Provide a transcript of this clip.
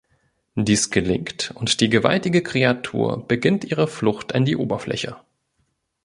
Dies gelingt, und die gewaltige Kreatur beginnt ihre Flucht an die Oberfläche.